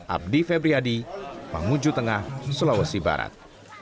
abdi febriadi mamuju tengah sulawesi barat